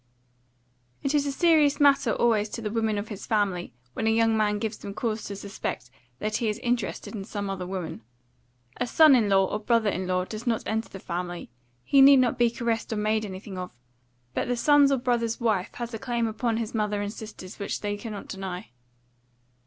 It is a serious matter always to the women of his family when a young man gives them cause to suspect that he is interested in some other woman. A son in law or brother in law does not enter the family; he need not be caressed or made anything of; but the son's or brother's wife has a claim upon his mother and sisters which they cannot deny.